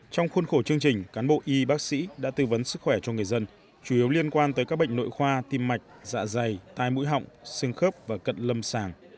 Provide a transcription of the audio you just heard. trong khuôn khổ chương trình cán bộ y bác sĩ đã tư vấn sức khỏe cho người dân chủ yếu liên quan tới các bệnh nội khoa tim mạch dạ dày tai mũi họng xương khớp và cận lâm sàng